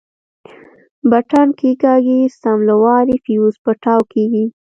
بټن کښېکاږي سم له وارې فيوز پټاو کېږي.